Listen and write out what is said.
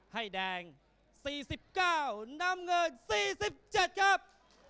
ให้แดงสี่สิบเก้าน้ำเงินสี่สิบเจ็ดครับ